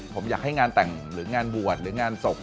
ผมอยากให้งานแต่งหรืองานบวชหรืองานศพ